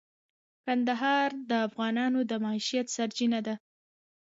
کندهار د افغانانو د معیشت سرچینه ده.